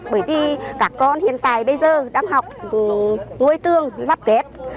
bởi vì các con hiện tại bây giờ đang học ngôi trường lắp kép